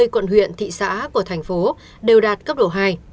ba mươi quận huyện thị xã của thành phố đều đạt cấp độ hai